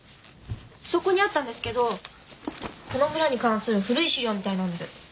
そこにあったんですけどこの村に関する古い資料みたいなんです。